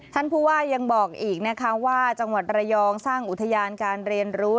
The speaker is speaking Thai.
ท่านผู้ว่ายังบอกอีกนะคะว่าจังหวัดระยองสร้างอุทยานการเรียนรู้